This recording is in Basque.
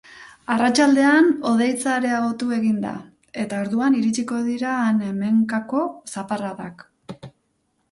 Arratsaldean, hodeitza areagotu egingo da, eta orduan iritsiko dira han-hemenkako zaparradak.